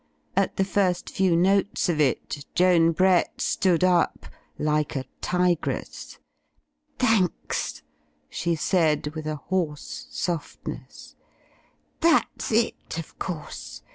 At the first few notes of it, Joan Brett stood up, like a tigress. "Thanks —" she said, with a hoarse softness, "that's it, of course!